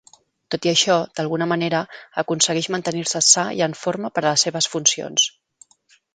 Tot i això, d'alguna manera aconsegueix mantenir-se sa i en forma per a les seves funcions.